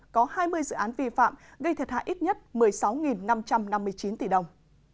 có hai mươi dự án vi phạm gây thiệt hại ít nhất một mươi sáu năm trăm năm mươi chín tỷ đồng